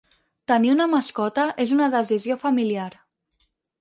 Tenir una mascota és una decisió familiar.